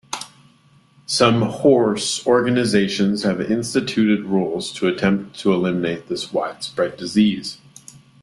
Some horse organizations have instituted rules to attempt to eliminate this widespread disease.